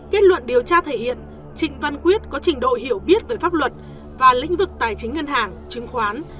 kết luận điều tra thể hiện trịnh văn quyết có trình độ hiểu biết về pháp luật và lĩnh vực tài chính ngân hàng chứng khoán